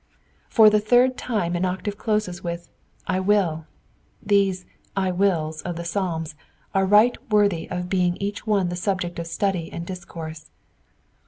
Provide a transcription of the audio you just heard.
For the third time an octave closes with, I will." These *' 1 wills" of the Psalms are right worthy of being each one the subject of study and discourse.